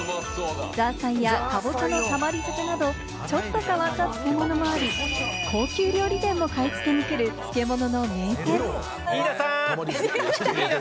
ザーサイやカボチャのたまり漬など、ちょっと変わった漬物もあり、高級料理店も買い付けに来る漬物の名店。